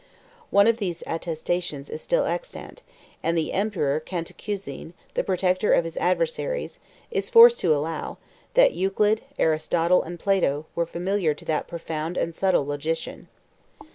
One of these attestations is still extant; and the emperor Cantacuzene, the protector of his adversaries, is forced to allow, that Euclid, Aristotle, and Plato, were familiar to that profound and subtle logician.